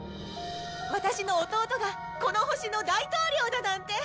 ワタシの弟がこの星の大統領だなんて！